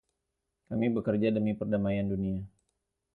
Kami bekerja demi perdamaian dunia.